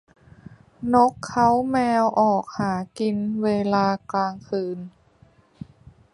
นกเค้าแมวออกหากินเวลากลางคืน